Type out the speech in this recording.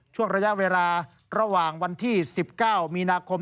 ช่วงระยะเวลาระหว่างวันที่๑๙มีนาคม